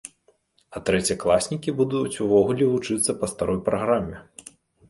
А трэцякласнікі будуць увогуле вучыцца па старой праграме.